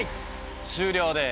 終了です。